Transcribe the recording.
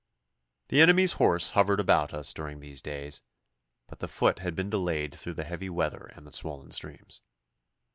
The enemy's horse hovered about us during these days, but the foot had been delayed through the heavy weather and the swollen streams.